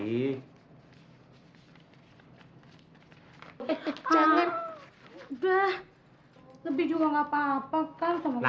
udah lebih jauh enggak apa apa kan kalau ke ibu ini